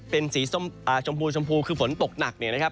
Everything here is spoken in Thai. เป็นสีชมพูชมพูคือฝนตกหนักเนี่ยนะครับ